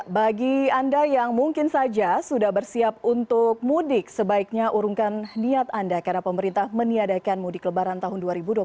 bagi anda yang mungkin saja sudah bersiap untuk mudik sebaiknya urungkan niat anda karena pemerintah meniadakan mudik lebaran tahun dua ribu dua puluh satu